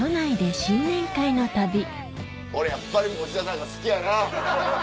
俺やっぱり持田さんが好きやな。